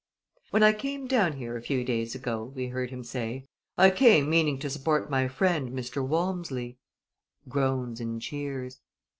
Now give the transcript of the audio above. "When I came down here a few days ago," we heard him say, "I came meaning to support my friend, Mr. Walmsley." (Groans and cheers.)